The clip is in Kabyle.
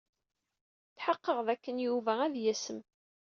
Tḥeqqeɣ dakken Yuba ad yasem.